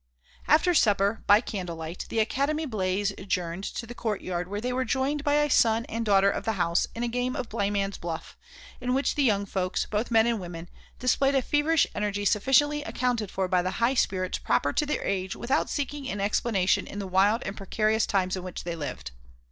After supper by candle light, the Academy Blaise adjourned to the courtyard where they were joined by a son and daughter of the house in a game of blindman's buff, in which the young folks, both men and women, displayed a feverish energy sufficiently accounted for by the high spirits proper to their age without seeking an explanation in the wild and precarious times in which they lived.